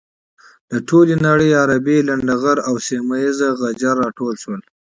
له ټولې نړۍ عربي لنډه غر او سيمه یيز غجر راټول شول.